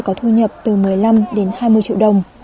có thu nhập từ một mươi năm đến hai mươi triệu đồng